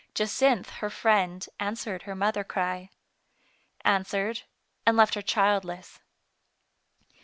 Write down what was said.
Jacynth, her friend, answered her mother cry. Answered, and left her childless.